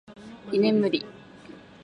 居眠り